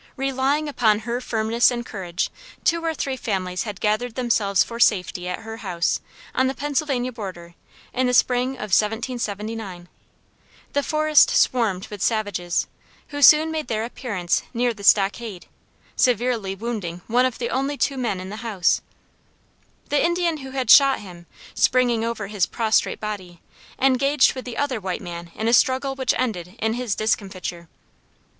Relying upon her firmness and courage, two or three families had gathered themselves for safety at her house, on the Pennsylvania border, in the spring of 1779. The forest swarmed with savages, who soon made their appearance near the stockade, severely wounding one of the only two men in the house. [Footnote: Doddridge's Notes.] The Indian who had shot him, springing over his prostrate body, engaged with the other white man in a struggle which ended in his discomfiture.